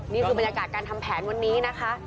นี่คือบรรยากาศการทำแผนวันนี้นะคะ